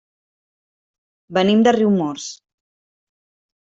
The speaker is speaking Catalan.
Venim de Riumors.